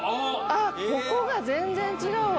あっここが全然違うわ。